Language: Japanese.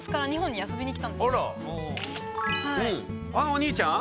お兄ちゃん？